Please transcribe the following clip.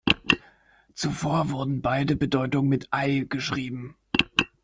Zuvor wurden beide Bedeutungen mit "ei" geschrieben.